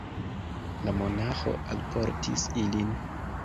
La monaĥo alportis ilin.